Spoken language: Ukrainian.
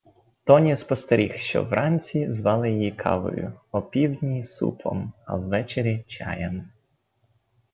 Тоні спостеріг, що вранці звали її кавою, опівдні супом, а ввечері чаєм.